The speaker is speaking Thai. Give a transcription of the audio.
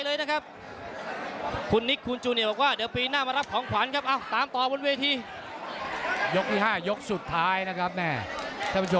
ต่อนกะชึ้นที่ลืมตายเลยนะครับ